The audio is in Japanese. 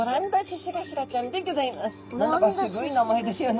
何だかすごい名前ですよね。